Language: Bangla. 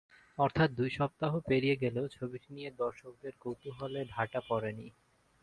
অর্থাৎ দুই সপ্তাহ পেরিয়ে গেলেও ছবিটি নিয়ে দর্শকদের কৌতূহলে ভাটা পড়েনি।